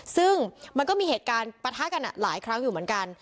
ซึ่งมันก็มีเหตุการณ์ปะทะกันหลายครั้งอยู่เหมือนกัน